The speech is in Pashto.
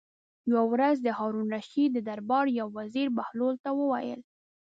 یوه ورځ د هارون الرشید د دربار یو وزیر بهلول ته وویل.